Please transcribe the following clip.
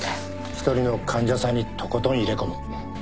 １人の患者さんにとことん入れ込む